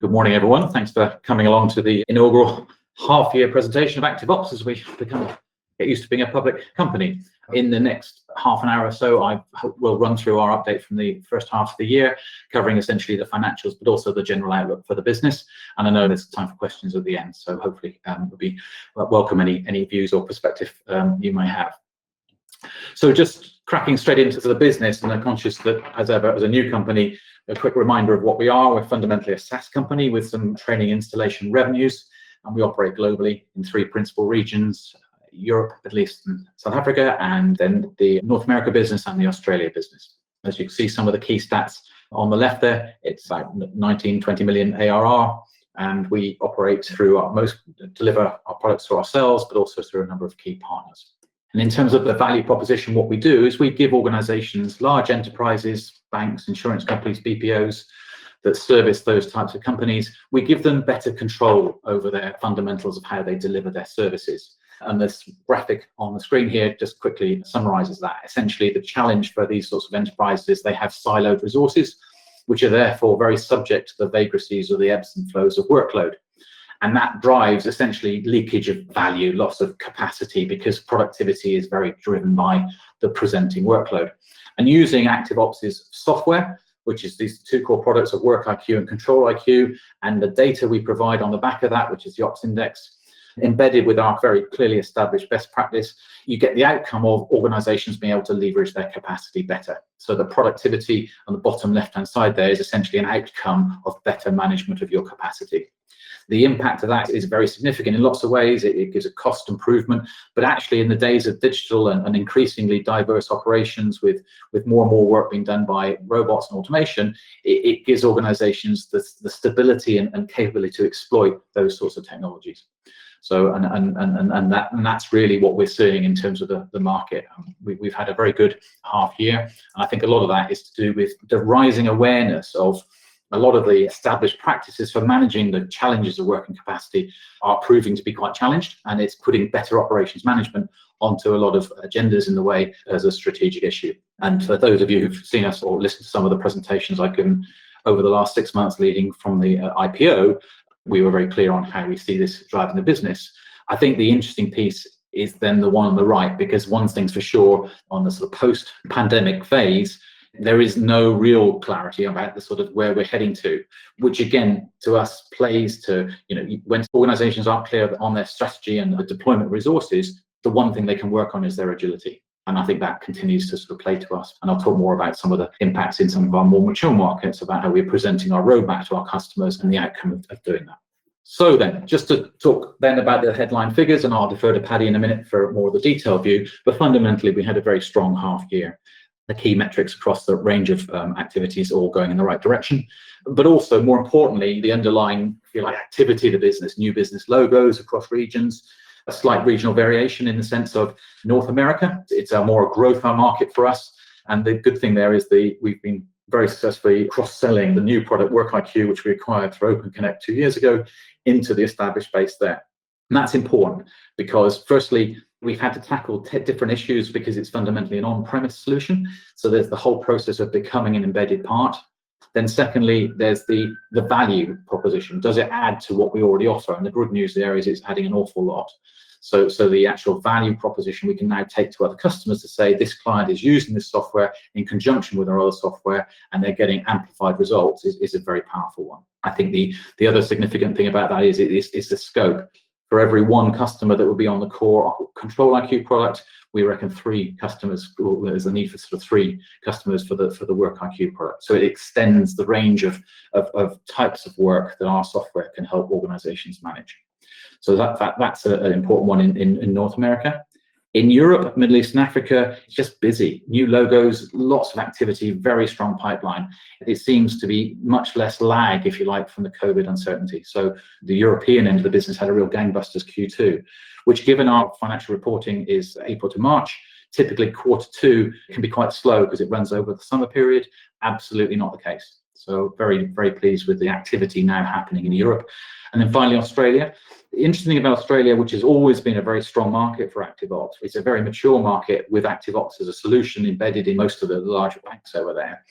Good morning, everyone. Thanks for coming along to the inaugural half-year presentation of ActiveOps as we kind of get used to being a public company. In the next half an hour or so, I hope we'll run through our update from the H1, covering essentially the financials, but also the general outlook for the business. I know there's time for questions at the end, hopefully, we'll welcome any views or perspective you may have. Just cracking straight into the business, I'm conscious that as ever, as a new company, a quick reminder of what we are. We're fundamentally a SaaS company with some training installation revenues, we operate globally in three principal regions: Europe, Middle East, and South Africa, the North America business and the Australia business. As you can see, some of the key stats on the left there, it's like 19 million, 20 million ARR, and we deliver our products through ourselves, but also through a number of key partners. In terms of the value proposition, what we do is we give organizations, large enterprises, banks, insurance companies, BPOs, that service those types of companies, we give them better control over their fundamentals of how they deliver their services. This graphic on the screen here just quickly summarizes that. Essentially, the challenge for these sorts of enterprises, they have siloed resources, which are therefore very subject to the vagaries or the ebbs and flows of workload. That drives essentially leakage of value, loss of capacity, because productivity is very driven by the presenting workload. Using ActiveOps' software, which is these two core products of WorkiQ and ControliQ, and the data we provide on the back of that, which is the OpsIndex, embedded with our very clearly established best practice, you get the outcome of organizations being able to leverage their capacity better. The productivity on the bottom left-hand side there is essentially an outcome of better management of your capacity. The impact of that is very significant. In lots of ways, it gives a cost improvement, but actually, in the days of digital and increasingly diverse operations with more and more work being done by robots and automation, it gives organizations the stability and capability to exploit those sorts of technologies. That's really what we're seeing in terms of the market. We've had a very good half year, and I think a lot of that is to do with the rising awareness of a lot of the established practices for managing the challenges of work and capacity are proving to be quite challenged, and it's putting better operations management onto a lot of agendas in the way as a strategic issue. For those of you who've seen us or listened to some of the presentations I've given over the last 6 months leading from the IPO, we were very clear on how we see this driving the business. I think the interesting piece is then the one on the right, because one thing's for sure, on the sort of post-pandemic phase, there is no real clarity about the sort of where we're heading to, which again, to us, plays to, you know... When organizations aren't clear on their strategy and the deployment resources, the one thing they can work on is their agility, and I think that continues to sort of play to us. I'll talk more about some of the impacts in some of our more mature markets, about how we're presenting our roadmap to our customers and the outcome of doing that. Just to talk then about the headline figures, and I'll defer to Paddy in a minute for more of the detailed view. Fundamentally, we had a very strong half year. The key metrics across the range of activities all going in the right direction. Also, more importantly, the underlying, if you like, activity of the business, new business logos across regions, a slight regional variation in the sense of North America. It's a more growth market for us, we've been very successfully cross-selling the new product, WorkiQ, which we acquired through OpenConnect two years ago, into the established base there. That's important because firstly, we've had to tackle different issues because it's fundamentally an on-premise solution, so there's the whole process of becoming an embedded part. Secondly, there's the value proposition. Does it add to what we already offer? The good news there is, it's adding an awful lot. The actual value proposition we can now take to other customers to say, "This client is using this software in conjunction with our other software, and they're getting amplified results," is a very powerful one. I think the other significant thing about that is the scope. For every 1 customer that would be on the core ControliQ product, we reckon 3 customers. There's a need for 3 customers for the WorkiQ product. It extends the range of types of work that our software can help organizations manage. That's an important one in North America. In Europe, Middle East, and Africa, it's just busy. New logos, lots of activity, very strong pipeline. There seems to be much less lag, if you like, from the COVID uncertainty. The European end of the business had a real gangbusters Q2, which, given our financial reporting, is April to March. Typically, quarter two can be quite slow because it runs over the summer period. Absolutely not the case. Very pleased with the activity now happening in Europe. Finally, Australia. The interesting thing about Australia, which has always been a very strong market for ActiveOps, it's a very mature market with ActiveOps as a solution embedded in most of the larger banks over there.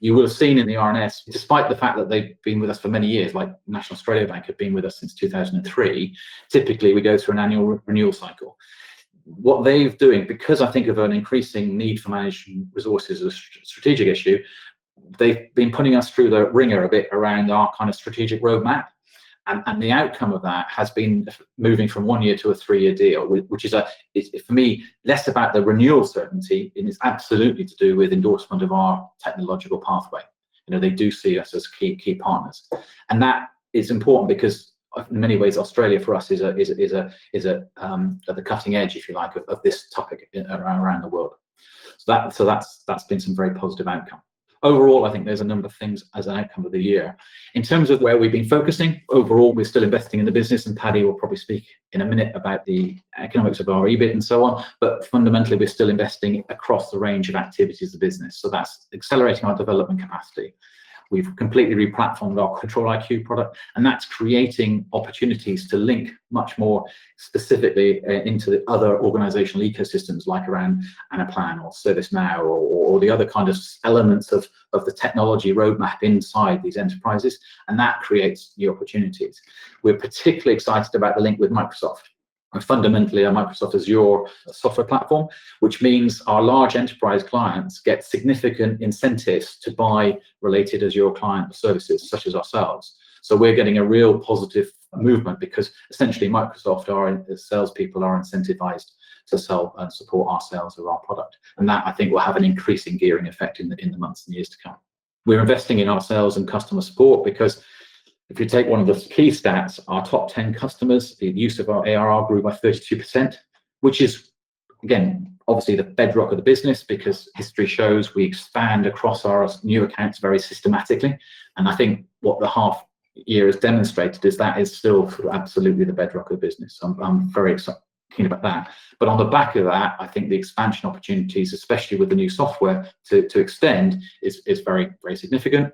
You will have seen in the RNS, despite the fact that they've been with us for many years, like National Australia Bank have been with us since 2003, typically, we go through an annual re-renewal cycle. What they're doing, because I think of an increasing need for managing resources as a strategic issue, they've been putting us through the wringer a bit around our kind of strategic roadmap, and the outcome of that has been moving from a 1 year to a 3-year deal, which is a. It's, for me, less about the renewal certainty, and it's absolutely to do with endorsement of our technological pathway. You know, they do see us as key partners. That is important because in many ways, Australia, for us, is a, is a, is a, is a, at the cutting edge, if you like, of this topic around the world. That's been some very positive outcome. I think there's a number of things as an outcome of the year. In terms of where we've been focusing, overall, we're still investing in the business, and Paddy will probably speak in a minute about the economics of our EBIT and so on, but fundamentally, we're still investing across the range of activities of the business. That's accelerating our development capacity. We've completely re-platformed our ControliQ product, and that's creating opportunities to link much more specifically into the other organizational ecosystems, like around Anaplan or ServiceNow or the other kind of elements of the technology roadmap inside these enterprises, and that creates new opportunities. We're particularly excited about the link with Microsoft. Fundamentally, our Microsoft Azure software platform, which means our large enterprise clients get significant incentives to buy related Azure client services, such as ourselves. We're getting a real positive movement because essentially Microsoft, our salespeople are incentivized to sell and support our sales of our product. That, I think, will have an increasing gearing effect in the months and years to come. We're investing in ourselves and customer support because if you take one of the key stats, our top 10 customers, the use of our ARR grew by 32%, which is, again, obviously the bedrock of the business, because history shows we expand across our new accounts very systematically. I think what the half year has demonstrated is that is still absolutely the bedrock of business. I'm very excited about that. On the back of that, I think the expansion opportunities, especially with the new software to extend, is very, very significant.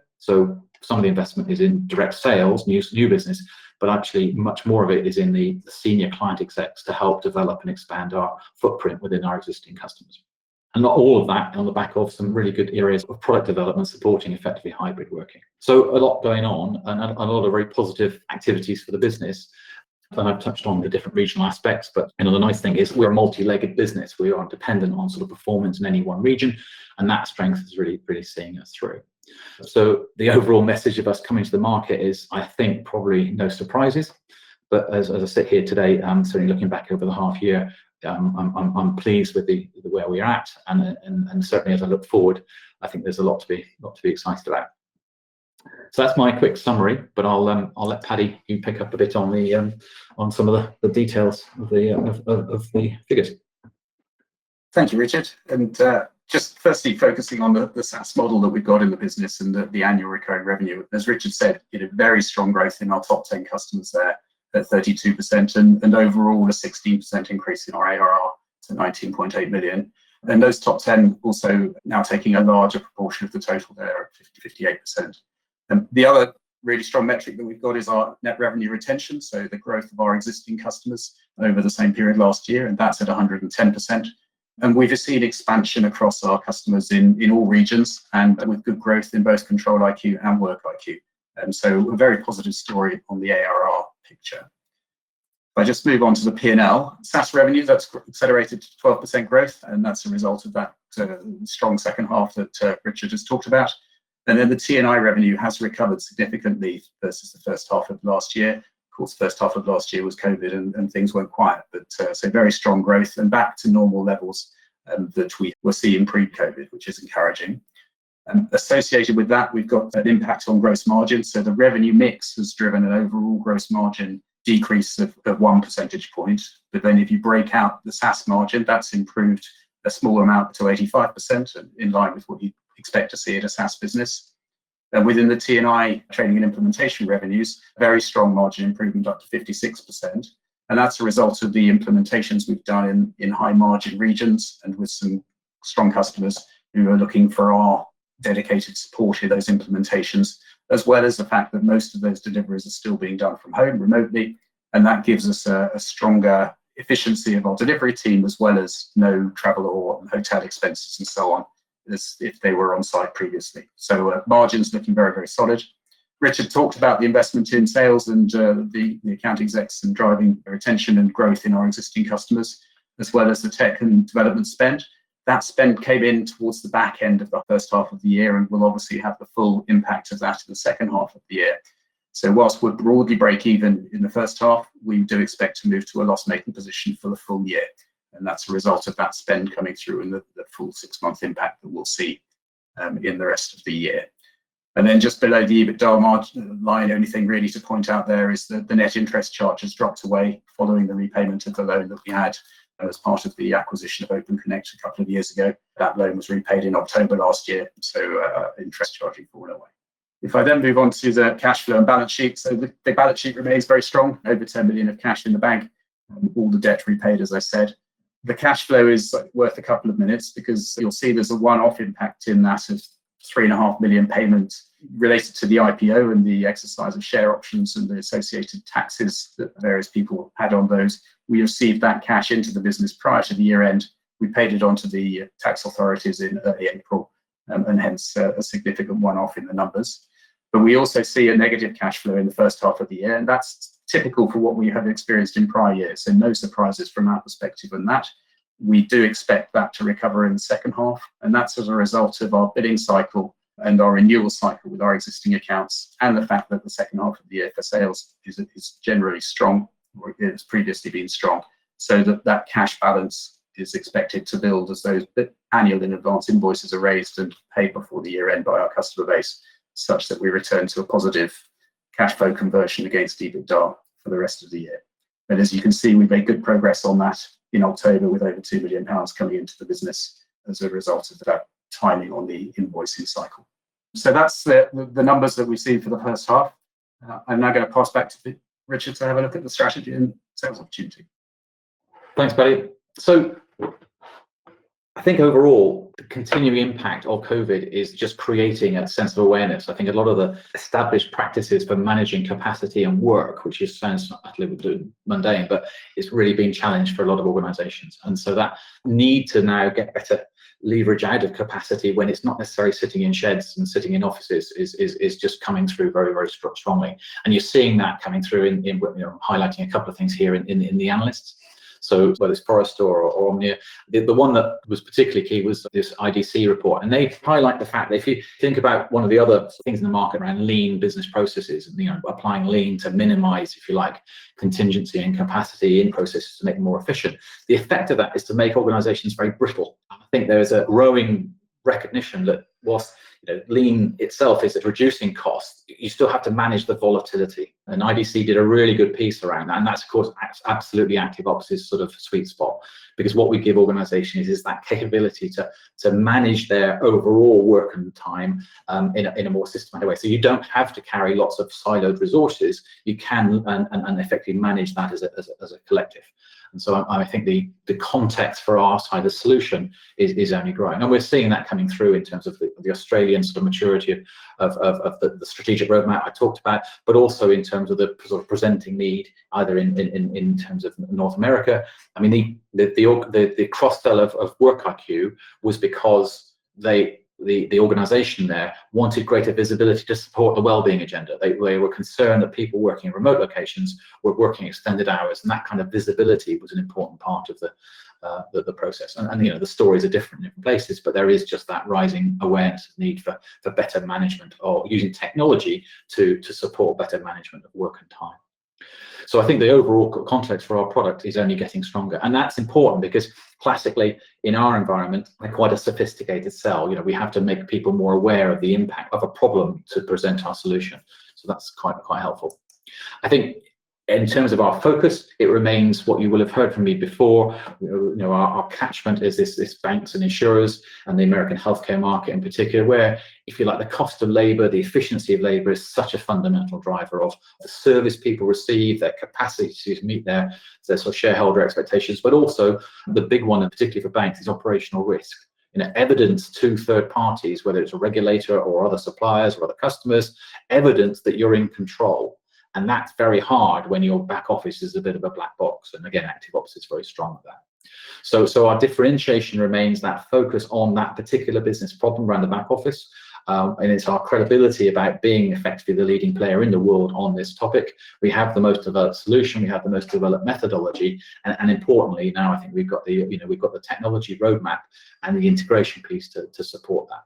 Some of the investment is in direct sales, new business, but actually much more of it is in the senior client execs to help develop and expand our footprint within our existing customers. Not all of that on the back of some really good areas of product development supporting effectively hybrid working. A lot going on and a lot of very positive activities for the business. I've touched on the different regional aspects, but, you know, the nice thing is we're a multi-legged business. We aren't dependent on sort of performance in any one region, and that strength is really seeing us through. The overall message of us coming to the market is, I think, probably no surprises, but as I sit here today, certainly looking back over the half year, I'm pleased with the where we are at. Certainly as I look forward, I think there's a lot to be excited about. That's my quick summary, but I'll let Paddy, you pick up a bit on the, on some of the details of the figures. Thank you, Richard. Just firstly, focusing on the SaaS model that we've got in the business and the annual recurring revenue. As Richard said, we had a very strong growth in our top 10 customers there at 32%, overall a 16% increase in our ARR to 19.8 million. Those top 10 also now taking a larger proportion of the total. They're at 58%. The other really strong metric that we've got is our net revenue retention, so the growth of our existing customers over the same period last year, and that's at 110%. We just see an expansion across our customers in all regions with good growth in both ControliQ and WorkiQ. A very positive story on the ARR picture. If I just move on to the P&L. SaaS revenue, that's accelerated to 12% growth, and that's a result of that sort of strong second half that Richard just talked about. The T&I revenue has recovered significantly versus the first half of last year. Of course, the first half of last year was COVID, and things weren't quiet. Very strong growth and back to normal levels that we were seeing pre-COVID, which is encouraging. Associated with that, we've got an impact on gross margins, so the revenue mix has driven an overall gross margin decrease of one percentage point. If you break out the SaaS margin, that's improved a small amount to 85%, in line with what you'd expect to see at a SaaS business. Within the T&I training and implementation revenues, very strong margin improvement, up to 56%, and that's a result of the implementations we've done in high-margin regions and with some strong customers who are looking for our dedicated support in those implementations, as well as the fact that most of those deliveries are still being done from home remotely, and that gives us a stronger efficiency of our delivery team, as well as no travel or hotel expenses and so on, as if they were on site previously. Margins looking very, very solid. Richard talked about the investment in sales and the account execs and driving retention and growth in our existing customers, as well as the tech and development spend. That spend came in towards the back end of H1, and we'll obviously have the full impact of that in H2. Whilst we're broadly break even in H1, we do expect to move to a loss-making position for the full year, and that's a result of that spend coming through and the full 6-month impact that we'll see in the rest of the year. Just below the EBITDA margin line, the only thing really to point out there is that the net interest charge has dropped away following the repayment of the loan that we had as part of the acquisition of OpenConnect a couple of years ago. That loan was repaid in October last year, so interest charging fallen away. I then move on to the cash flow and balance sheet, the balance sheet remains very strong, over 10 million of cash in the bank, and all the debt repaid, as I said. The cash flow is worth a couple of minutes because you'll see there's a one-off impact in that of 3.5 million payment related to the IPO and the exercise of share options and the associated taxes that various people had on those. We received that cash into the business prior to the year-end. We paid it on to the tax authorities in early April, and hence, a significant one-off in the numbers. We also see a negative cash flow in the first half of the year, and that's typical for what we have experienced in prior years, so no surprises from our perspective on that. We do expect that to recover in the second half. That's as a result of our billing cycle and our renewal cycle with our existing accounts, and the fact that the second half of the year for sales is generally strong, or it's previously been strong. That cash balance is expected to build as those annual in advance invoices are raised and paid before the year-end by our customer base, such that we return to a positive cash flow conversion against EBITDA for the rest of the year. As you can see, we've made good progress on that in October, with over 2 million pounds coming into the business as a result of that timing on the invoicing cycle. That's the numbers that we see for the first half. I'm now gonna pass back to Richard to have a look at the strategy and sales opportunity. Thanks, Paddy. I think overall, the continuing impact of COVID is just creating a sense of awareness. I think a lot of the established practices for managing capacity and work, which is sounds utterly mundane, but it's really been challenged for a lot of organizations. That need to now get better leverage out of capacity when it's not necessarily sitting in sheds and sitting in offices is just coming through very, very strongly. You're seeing that coming through in... We're highlighting a couple of things here in the analysts.... Whether it's Forrester or Omdia, the one that was particularly key was this IDC report. They highlight the fact that if you think about one of the other things in the market around Lean business processes and, you know, applying Lean to minimize, if you like, contingency and capacity in processes to make them more efficient, the effect of that is to make organizations very brittle. I think there is a growing recognition that whilst, you know, Lean itself is at reducing costs, you still have to manage the volatility. IDC did a really good piece around that. That's, of course, absolutely ActiveOps' sort of sweet spot, because what we give organizations is that capability to manage their overall work and time in a more systematic way. You don't have to carry lots of siloed resources, you can effectively manage that as a collective. I think the context for our side of the solution is only growing. We're seeing that coming through in terms of the Australian sort of maturity of the strategic roadmap I talked about, but also in terms of the sort of presenting need, either in terms of North America. I mean, the Crosssell of WorkiQ was because the organization there wanted greater visibility to support the wellbeing agenda. They were concerned that people working in remote locations were working extended hours, and that kind of visibility was an important part of the process. You know, the stories are different in different places, but there is just that rising awareness, need for better management or using technology to support better management of work and time. I think the overall context for our product is only getting stronger, and that's important because classically, in our environment, we're quite a sophisticated sell. You know, we have to make people more aware of the impact of a problem to present our solution, that's quite helpful. I think in terms of our focus, it remains what you will have heard from me before. You know, our catchment is this banks and insurers and the American healthcare market in particular, where if you like, the cost of labor, the efficiency of labor is such a fundamental driver of the service people receive, their capacity to meet their sort of shareholder expectations. Also the big one, and particularly for banks, is operational risk. You know, evidence to third parties, whether it's a regulator or other suppliers or other customers, evidence that you're in control, and that's very hard when your back office is a bit of a black box, and again, ActiveOps is very strong at that. Our differentiation remains that focus on that particular business problem around the back office, and it's our credibility about being effectively the leading player in the world on this topic. We have the most developed solution, we have the most developed methodology, and importantly, now I think we've got the, you know, we've got the technology roadmap and the integration piece to support that.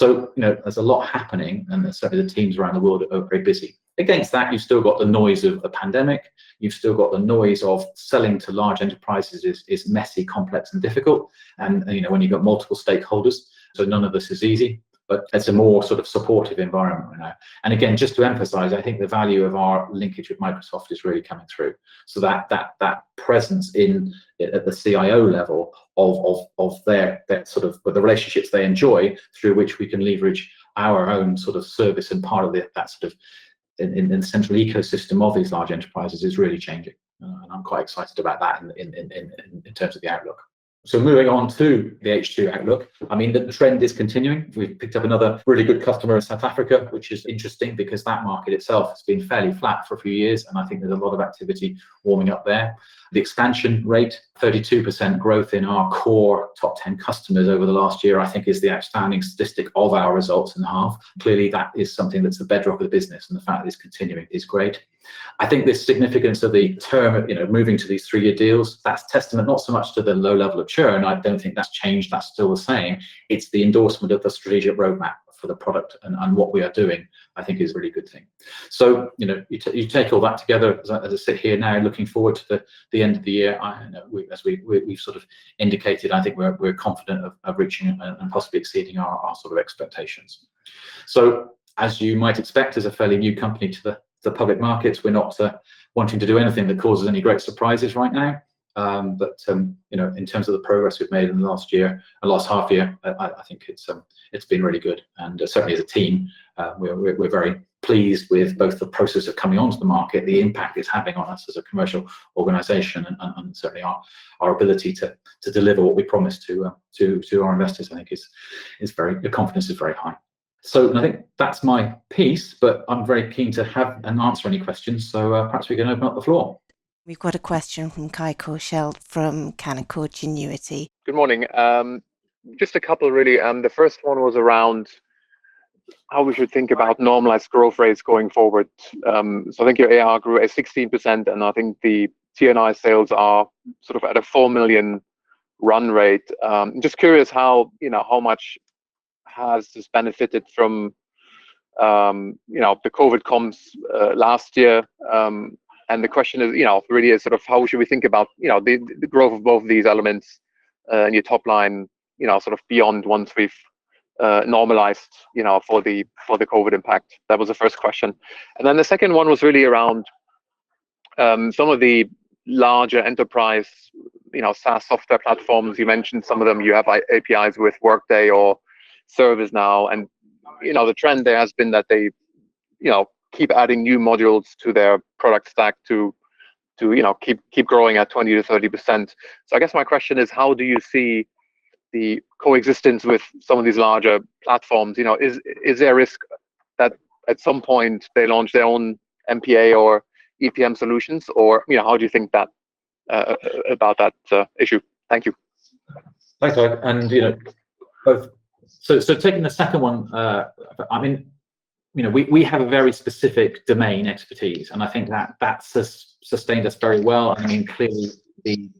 You know, there's a lot happening, and certainly the teams around the world are very busy. Against that, you've still got the noise of the pandemic, you've still got the noise of selling to large enterprises is messy, complex and difficult, and, you know, when you've got multiple stakeholders, so none of this is easy, but it's a more sort of supportive environment we're in now. Again, just to emphasize, I think the value of our linkage with Microsoft is really coming through. That presence in at the CIO level of their sort of. the relationships they enjoy, through which we can leverage our own sort of service and part of that sort of in central ecosystem of these large enterprises, is really changing, and I'm quite excited about that in terms of the outlook. Moving on to the H2 outlook, I mean, the trend is continuing. We've picked up another really good customer in South Africa, which is interesting because that market itself has been fairly flat for a few years, and I think there's a lot of activity warming up there. The expansion rate, 32% growth in our core top 10 customers over the last year, I think is the outstanding statistic of our results in half. Clearly, that is something that's the bedrock of the business, and the fact that it's continuing is great. I think the significance of the term, you know, moving to these 3-year deals, that's testament, not so much to the low level of churn, I don't think that's changed, that's still the same. It's the endorsement of the strategic roadmap for the product and what we are doing, I think is a really good thing. You know, you take all that together, as I sit here now, looking forward to the end of the year, I and we've sort of indicated, I think we're confident of reaching it and possibly exceeding our sort of expectations. As you might expect, as a fairly new company to the public markets, we're not wanting to do anything that causes any great surprises right now. You know, in terms of the progress we've made in the last year, or last half year, I think it's been really good. Certainly as a team, we're very pleased with both the process of coming onto the market, the impact it's having on us as a commercial organization, and certainly our ability to deliver what we promised to our investors, I think the confidence is very high. I think that's my piece, but I'm very keen to have and answer any questions, perhaps we can open up the floor. We've got a question from Kai Korschelt from Canaccord Genuity. Good morning. Just a couple, really. The first one was around how we should think about normalized growth rates going forward. I think your AR grew at 16%, and I think the T&I sales are sort of at a 4 million run rate. Just curious how, you know, how much has this benefited from, you know, the COVID comms last year? The question is, you know, really is sort of how should we think about, you know, the growth of both of these elements and your top line, you know, sort of beyond once we've normalized, you know, for the COVID impact? That was the first question. The second one was really around some of the larger enterprise, you know, SaaS software platforms. You mentioned some of them, you have APIs with Workday or ServiceNow. You know, the trend there has been that they, you know, keep adding new modules to their product stack to, you know, keep growing at 20%-30%. I guess my question is, how do you see the coexistence with some of these larger platforms? You know, is there a risk that at some point they launch their own MPA or EPM solutions, or, you know, how do you think about that issue? Thank you. Thanks, guys. You know, of, so taking the second one, I mean, you know, we have a very specific domain expertise, and I think that that's sustained us very well. I mean, clearly the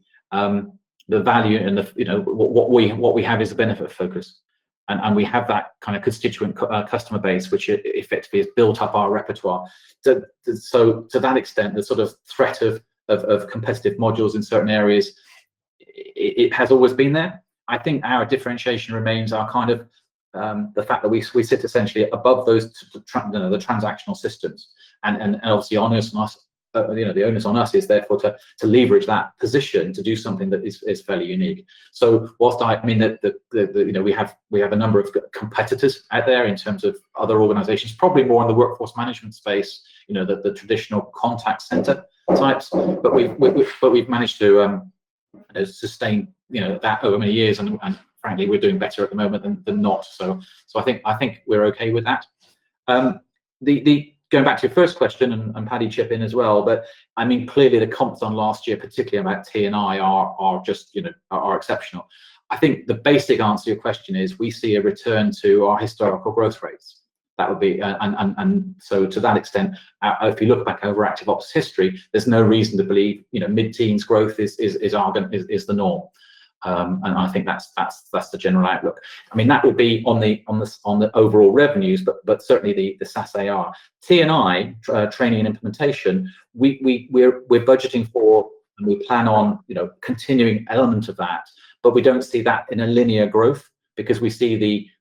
value and the, you know, what we have is a benefit focus, and we have that kind of constituent customer base, which effectively has built up our repertoire. So to that extent, the sort of threat of, of competitive modules in certain areas, it has always been there. I think our differentiation remains our kind of, the fact that we sit essentially above those the transactional systems. Obviously, the onus on us, you know, the onus on us is therefore to leverage that position to do something that is fairly unique. Whilst I mean, the, you know, we have a number of competitors out there in terms of other organizations, probably more in the workforce management space, you know, the traditional contact center types. We've managed to sustain, you know, that over many years, and frankly, we're doing better at the moment than not. I think we're okay with that. Going back to your first question, and Paddy, chip in as well, but, I mean, clearly the comps on last year, particularly about T and I, are just, you know, are exceptional. I think the basic answer to your question is we see a return to our historical growth rates. That would be. So to that extent, if you look back over ActiveOps history, there's no reason to believe, you know, mid-teens growth is the norm. And I think that's, that's the general outlook. I mean, that would be on the, on the, on the overall revenues, but certainly the SaaS ARR. T and I, training and implementation, we're budgeting for, and we plan on, you know, continuing element of that, but we don't see that in a linear growth, because we see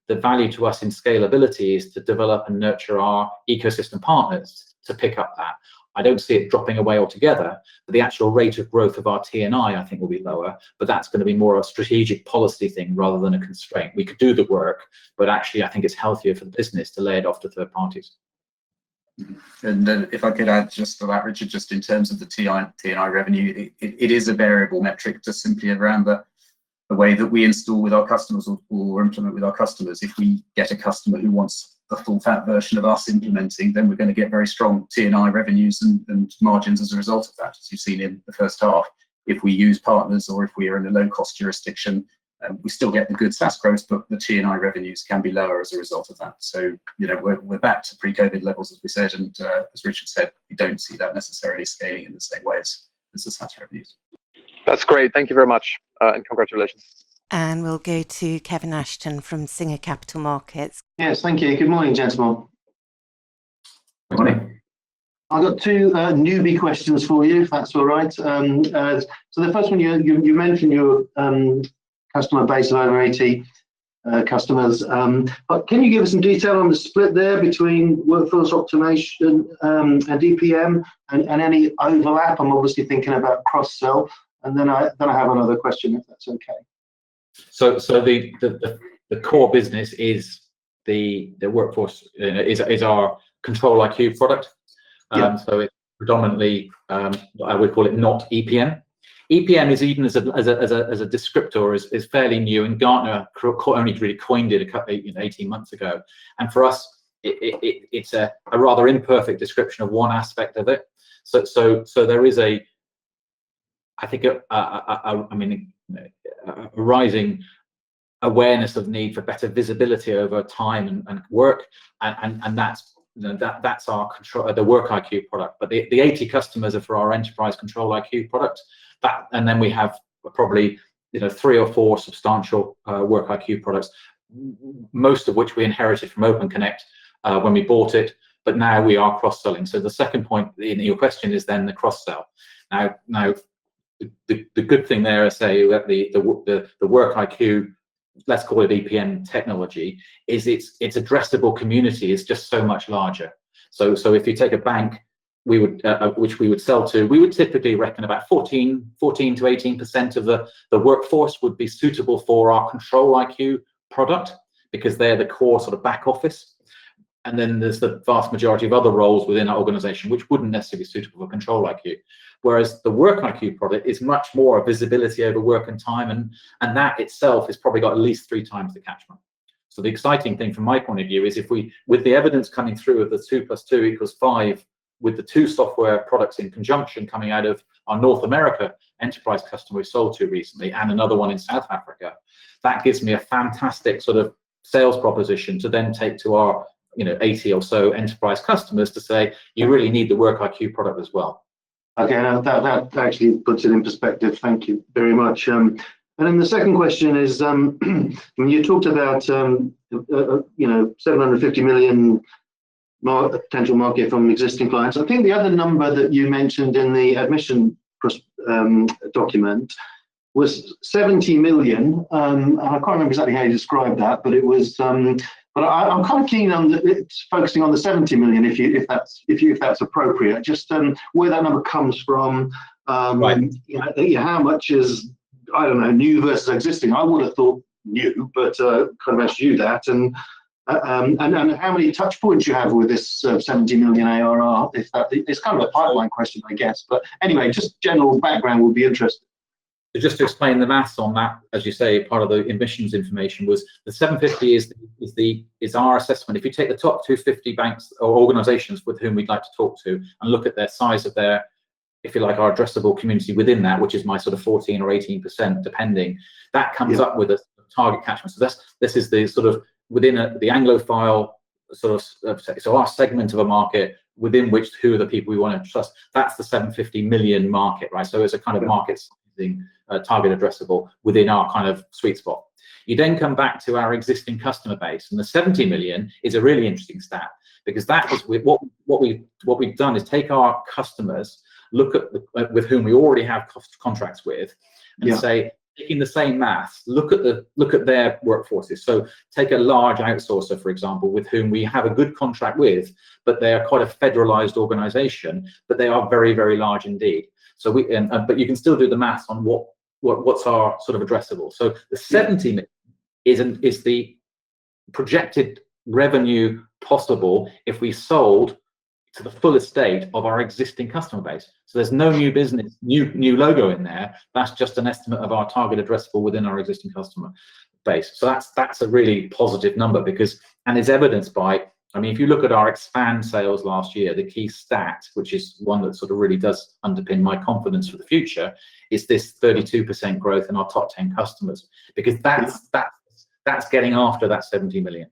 the value to us in scalability is to develop and nurture our ecosystem partners to pick up that. I don't see it dropping away altogether, but the actual rate of growth of our T&I think, will be lower, but that's gonna be more of a strategic policy thing rather than a constraint. Actually, I think it's healthier for the business to lay it off to third parties. If I could add just to that, Richard, just in terms of the T&I, T&I revenue, it is a variable metric, just simply around the way that we install with our customers or implement with our customers. If we get a customer who wants the full-fat version of us implementing, then we're gonna get very strong T&I revenues and margins as a result of that, as you've seen in the first half. If we use partners or if we are in a low-cost jurisdiction, we still get the good SaaS growth, but the T&I revenues can be lower as a result of that. you know, we're back to pre-COVID levels, as we said, and as Richard said, we don't see that necessarily scaling in the same way as the SaaS revenues. That's great. Thank you very much, and congratulations. We'll go to Kevin Ashton from Singer Capital Markets. Yes, thank you. Good morning, gentlemen. Good morning. Good morning. I've got two newbie questions for you, if that's all right. The first one, you mentioned your customer base of over 80 customers. Can you give us some detail on the split there between workforce optimization, and EPM, and any overlap? I'm obviously thinking about cross-sell. I have another question, if that's okay. The core business is the workforce is our ControliQ product. Yeah. It's predominantly, I would call it not EPM. EPM is even as a descriptor, is fairly new, and Gartner only really coined it a couple 18 months ago. For us, it's a rather imperfect description of one aspect of it. There is a, I think a rising awareness of need for better visibility over time and work, and that's the WorkiQ product. The 80 customers are for our Enterprise ControliQ product. We have probably 3 or 4 substantial WorkiQ products, most of which we inherited from OpenConnect when we bought it, but now we are cross-selling. The second point in your question is then the cross-sell. The good thing there, I say, with the WorkiQ, let's call it EPM technology, is its addressable community is just so much larger. If you take a bank, which we would sell to, we would typically reckon about 14%-18% of the workforce would be suitable for our ControliQ product because they're the core sort of back office. There's the vast majority of other roles within our organization, which wouldn't necessarily be suitable for ControliQ. Whereas the WorkiQ product is much more a visibility over work and time, and that itself has probably got at least three times the catchment. The exciting thing from my point of view is if we... With the evidence coming through of the 2 plus 2 equals 5, with the 2 software products in conjunction coming out of our North America enterprise customer we sold to recently and another one in South Africa, that gives me a fantastic sort of sales proposition to then take to our, you know, 80 or so enterprise customers to say, "You really need the WorkiQ product as well. Okay, now, that actually puts it in perspective. Thank you very much. The second question is, when you talked about, you know, 750 million potential market from existing clients, I think the other number that you mentioned in the admission document was 70 million. I can't remember exactly how you described that, but it was. I'm kind of keen on it's focusing on the 70 million, if that's appropriate, just where that number comes from? Right... You know, how much is, I don't know, new versus existing? I would've thought new, but kind of asked you that. How many touch points you have with this 70 million ARR, if that... It's kind of a pipeline question, I guess. Anyway, just general background would be interesting. Just to explain the math on that, as you say, part of the admissions information was the 750 is our assessment. If you take the top 250 banks or organizations with whom we'd like to talk to and look at their size of their, if you like, our addressable community within that, which is my sort of 14 or 18%, depending, that comes up. Yeah... with a target catchment. This is the sort of within a, the Anglophile sort of, so our segment of a market within which, who are the people we want to trust? That's the 750 million market, right? as a kind of Yeah ... sizing, target addressable within our kind of sweet spot. You come back to our existing customer base, the 70 million is a really interesting stat. That is- Yeah... what we've done is take our customers, look at with whom we already have contracts with. Yeah In the same math, look at their workforces. Take a large outsourcer, for example, with whom we have a good contract with. They are quite a federalized organization. They are very large indeed. We, you can still do the math on what's our sort of addressable. The 70 million is the projected revenue possible if we sold to the fullest state of our existing customer base. There's no new business, new logo in there. That's just an estimate of our target addressable within our existing customer base. That's a really positive number because... It's evidenced by, I mean, if you look at our expand sales last year, the key stat, which is one that sort of really does underpin my confidence for the future, is this 32% growth in our top 10 customers. Yeah. That's getting after that 70 million.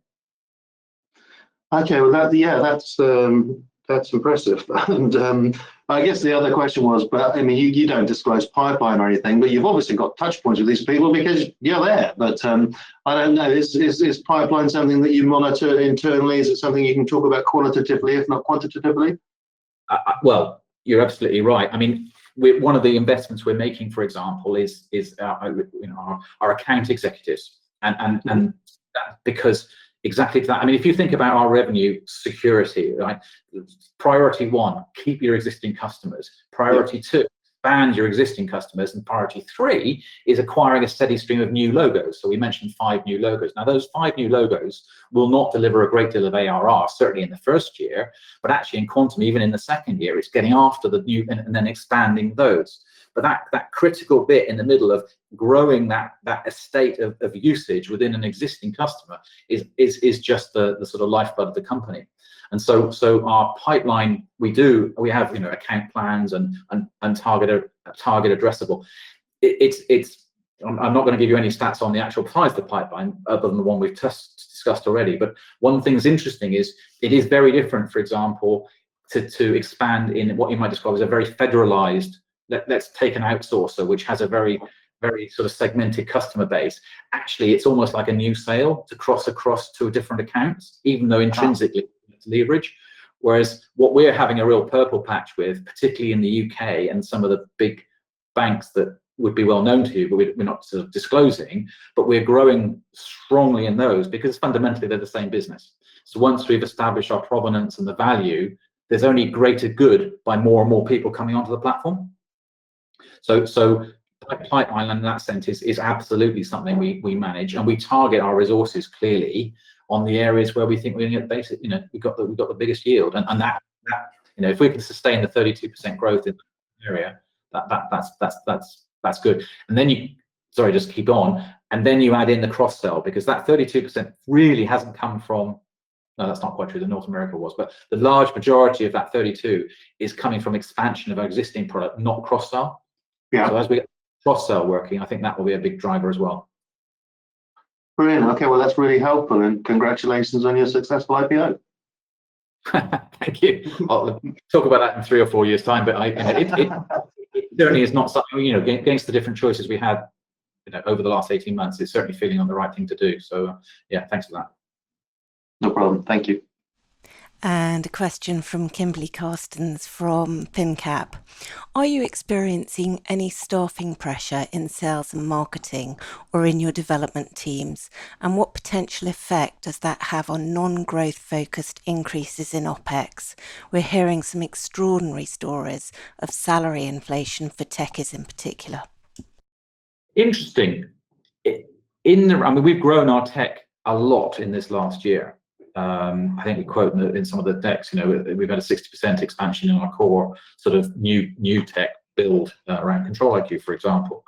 Okay, well, that, yeah, that's impressive. I guess the other question was, but, I mean, you don't disclose pipeline or anything, but you've obviously got touch points with these people because you're there. I don't know, is pipeline something that you monitor internally? Is it something you can talk about qualitatively, if not quantitatively? Well, you're absolutely right. I mean, one of the investments we're making, for example, is, you know, our account executives. Yeah... because exactly that. I mean, if you think about our revenue security, right? Priority one, keep your existing customers. Yeah. Priority two, expand your existing customers, priority three is acquiring a steady stream of new logos. We mentioned five new logos. Those five new logos will not deliver a great deal of ARR, certainly in the first year, but actually in quantum, even in the second year. It's getting after the new and then expanding those. That, that critical bit in the middle of growing that estate of usage within an existing customer is just the sort of lifeblood of the company. Our pipeline, We have, you know, account plans and target a target addressable. It's I'm not going to give you any stats on the actual size of the pipeline other than the one we've just discussed already. One thing that's interesting is it is very different, for example, to expand in what you might describe as a very federalized, let's take an outsourcer, which has a very sort of segmented customer base. Actually, it's almost like a new sale to cross across to a different account, even though… Ah... intrinsically, it's leverage. What we're having a real purple patch with, particularly in the UK and some of the big banks that would be well known to you, but we're not sort of disclosing, but we're growing strongly in those because fundamentally they're the same business. Once we've established our provenance and the value, there's only greater good by more and more people coming onto the platform. Pipeline in that sense is absolutely something we manage. We target our resources clearly on the areas where we think we're gonna get basic. You know, we've got the biggest yield. That, you know, if we can sustain the 32% growth in the area, that's good. Then you. Sorry, just keep going. You add in the cross-sell, because that 32% really hasn't come from. No, that's not quite true, the North America was, but the large majority of that 32 is coming from expansion of our existing product, not cross-sell. Yeah. As we get cross-sell working, I think that will be a big driver as well. Brilliant. Okay, well, that's really helpful, and congratulations on your successful IPO. Thank you. Well, talk about that in three or four years' time, but it certainly is not something, you know, against the different choices we had, you know, over the last 18 months, it's certainly feeling like the right thing to do. Yeah, thanks for that. No problem. Thank you. A question from Kimberley Castens from finnCap: Are you experiencing any staffing pressure in sales and marketing or in your development teams? What potential effect does that have on non-growth-focused increases in OpEx? We're hearing some extraordinary stories of salary inflation for techies in particular. Interesting. I mean, we've grown our tech a lot in this last year. I think we quote in some of the decks, you know, we've had a 60% expansion in our core sort of new tech build, around ControliQ, for example.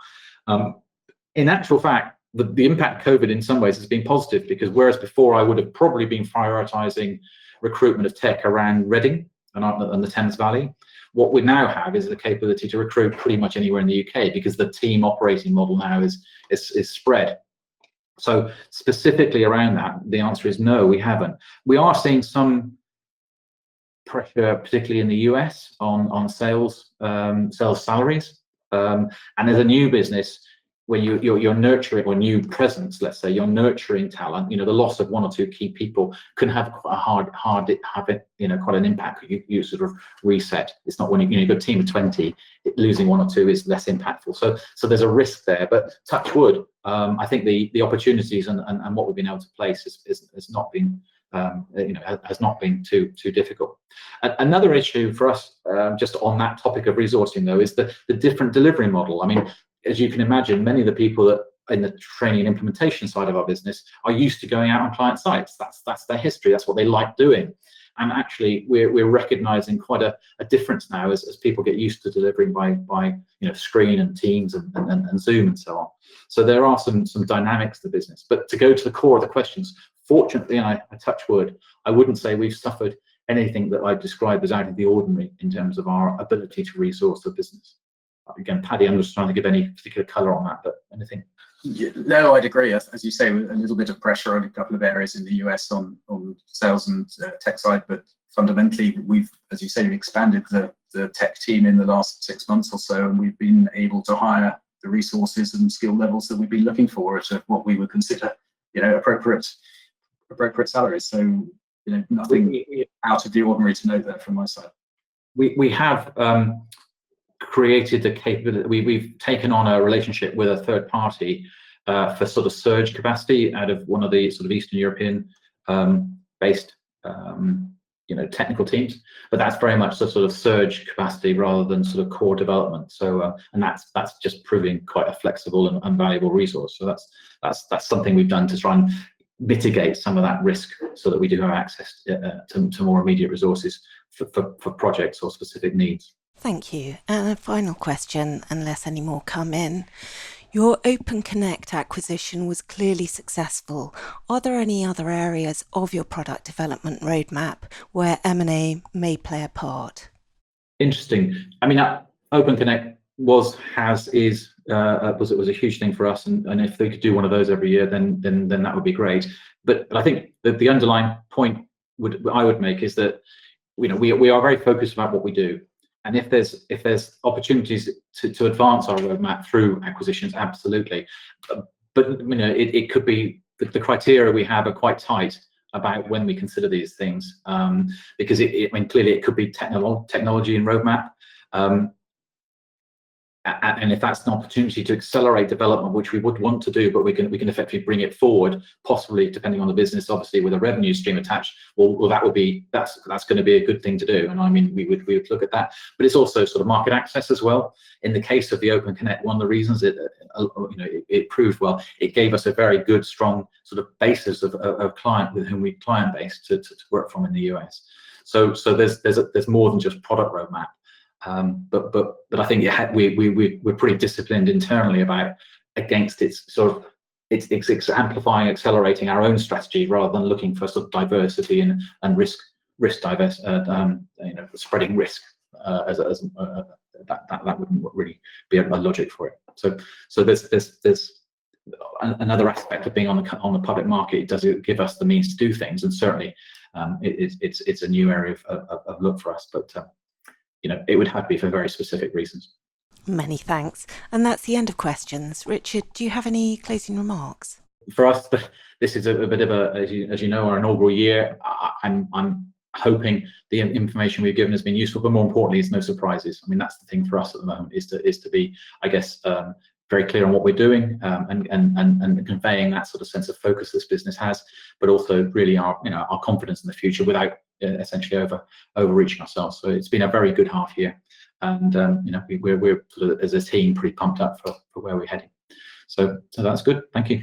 In actual fact, the impact of COVID in some ways has been positive, because whereas before I would have probably been prioritizing recruitment of tech around Reading and the Thames Valley, what we now have is the capability to recruit pretty much anywhere in the UK, because the team operating model now is spread. Specifically around that, the answer is no, we haven't. We are seeing some pressure, particularly in the US, on sales salaries. As a new business, where you're nurturing or new presence, let's say, you're nurturing talent, you know, the loss of one or two key people can have a hard, have a, you know, quite an impact. You sort of reset. It's not when, you know, you've got a team of 20, losing one or two is less impactful. There's a risk there, but touch wood, I think the opportunities and what we've been able to place has not been, you know, has not been too difficult. Another issue for us, just on that topic of resourcing, though, is the different delivery model. I mean, as you can imagine, many of the people that are in the training and implementation side of our business are used to going out on client sites. That's, that's their history. That's what they like doing. Actually, we're recognizing quite a difference now as people get used to delivering by, you know, screen and Teams and Zoom and so on. There are some dynamics to the business. To go to the core of the questions, fortunately, and I, touch wood, I wouldn't say we've suffered anything that I'd describe as out of the ordinary in terms of our ability to resource the business. Again, Paddy, I'm just trying to give any particular color on that, but anything? Yeah, no, I'd agree. As you say, we've a little bit of pressure on a couple of areas in the US on the sales and tech side. Fundamentally, we've, as you say, expanded the tech team in the last six months or so, and we've been able to hire the resources and skill levels that we'd be looking for at what we would consider, you know, appropriate salaries. You know, nothing out of the ordinary to note that from my side. We have created the capability. We've taken on a relationship with a third party for sort of surge capacity out of one of the sort of Eastern European based, you know, technical teams. That's very much the sort of surge capacity rather than sort of core development. That's just proving quite a flexible and valuable resource. That's something we've done to try and mitigate some of that risk so that we do have access to more immediate resources for projects or specific needs. Thank you. A final question, unless any more come in. Your OpenConnect acquisition was clearly successful. Are there any other areas of your product development roadmap where M&A may play a part? Interesting. I mean, that OpenConnect was a huge thing for us, and if they could do one of those every year, then that would be great. I think the underlying point I would make is that, you know, we are very focused about what we do, and if there's opportunities to advance our roadmap through acquisitions, absolutely. You know, it could be. The criteria we have are quite tight about when we consider these things, because it, I mean, clearly it could be technology and roadmap. And if that's an opportunity to accelerate development, which we would want to do, but we can effectively bring it forward, possibly, depending on the business, obviously, with a revenue stream attached, well, that would be. That's gonna be a good thing to do. I mean, we would look at that. It's also sort of market access as well. In the case of the OpenConnect, one of the reasons it, you know, it proved well, it gave us a very good, strong sort of basis of client with whom Client base to work from in the US. There's more than just product roadmap. I think, yeah, we're pretty disciplined internally about against it. Sort of, it's amplifying, accelerating our own strategy rather than looking for sort of diversity and risk, you know, spreading risk, as. That wouldn't really be a logic for it. There's another aspect of being on the public market. It does, it give us the means to do things, and certainly, it's a new area of look for us. You know, it would have to be for very specific reasons. Many thanks. That's the end of questions. Richard, do you have any closing remarks? For us, this is a bit of a, as you know, our inaugural year. I'm hoping the information we've given has been useful, but more importantly, it's no surprises. I mean, that's the thing for us at the moment, is to be, I guess, very clear on what we're doing, and conveying that sort of sense of focus this business has, but also really our, you know, our confidence in the future without essentially overreaching ourselves. It's been a very good half year, and, you know, we're, as a team, pretty pumped up for where we're heading. That's good. Thank you.